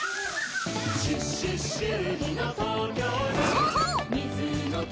そうそう！